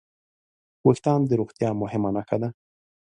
وېښتيان د روغتیا مهمه نښه ده.